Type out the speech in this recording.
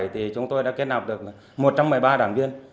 thì chúng tôi đã kết nạp được một trăm một mươi ba đảng viên